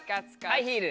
ハイヒール。